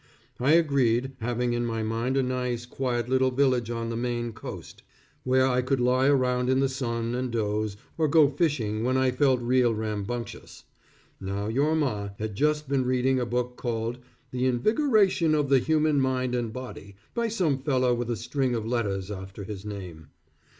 I agreed having in my mind a nice, quiet, little village on the Maine coast, where I could lie around in the sun and dose, or go fishing when I felt real rambunctious. Now your Ma, had just been reading a book called, "The Invigoration of the Human Mind and Body," by some fellow with a string of letters after his name.